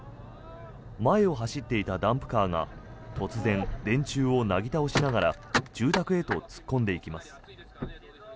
前を走っていたダンプカーが突然、電柱をなぎ倒しながら住宅へと突っ込んでいきます。